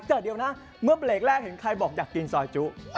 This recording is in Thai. เดี๋ยวนะเมื่อเบรกแรกเห็นใครบอกอยากกินซอยจุ